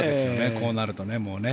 こうなるとね。